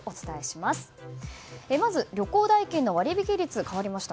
まず、旅行代金の割引率が変わりました。